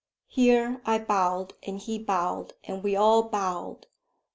Here I bowed, and he bowed, and we all bowed.